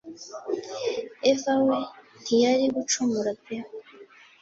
Eva we ntiyari gucumura pe